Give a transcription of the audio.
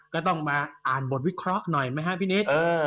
ก็ต้องมาอ่านบทวิเคราะห์หน่อยไหมครับพี่นิด